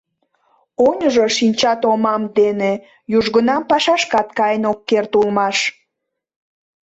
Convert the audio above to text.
Оньыжо шинча томам дене южгунам пашашкат каен ок керт улмаш.